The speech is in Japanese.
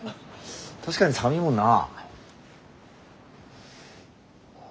確かに寒いもんな。